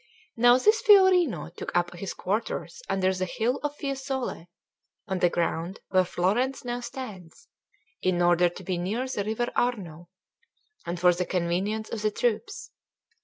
Now this Fiorino took up his quarters under the hill of Fiesole, on the ground where Florence now stands, in order to be near the river Arno, and for the convenience of the troops.